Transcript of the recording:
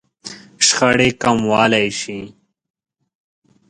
-شخړې کموالی شئ